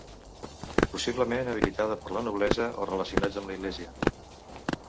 Possiblement habitada per la noblesa o relacionats amb l'església.